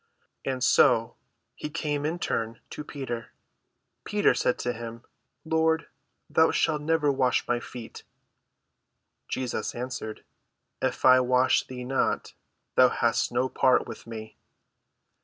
And so he came in turn to Peter. Peter said to him, "Lord, thou shalt never wash my feet." Jesus answered, "If I wash thee not, thou hast no part with me."